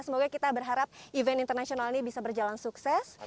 semoga kita berharap event internasional ini bisa berjalan sukses